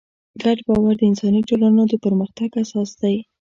ګډ باور د انساني ټولنو د پرمختګ اساس دی.